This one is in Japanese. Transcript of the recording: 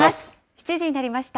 ７時になりました。